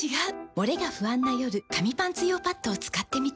モレが不安な夜紙パンツ用パッドを使ってみた。